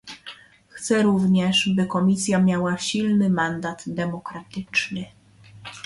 Chcę również, by Komisja miała silny mandat demokratyczny